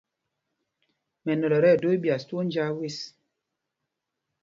Mɛnɔlɔ ɛ tí ɛdō íɓyas twóó njāā zes.